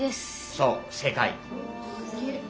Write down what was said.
そう正解。